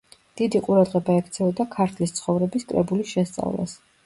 დიდი ყურადღება ექცეოდა „ქართლის ცხოვრების“ კრებულის შესწავლას.